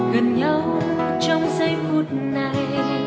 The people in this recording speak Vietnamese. gần nhau trong giây phút này